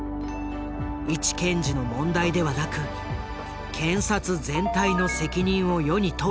一検事の問題ではなく検察全体の責任を世に問うためだった。